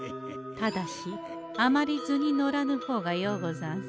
ただしあまり図に乗らぬほうがようござんす。